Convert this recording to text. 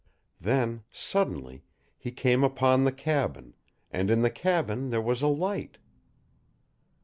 Then, suddenly, he came upon the cabin, and in the cabin there was a light!